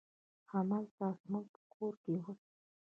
همالته زموږ په کور کې اوسه.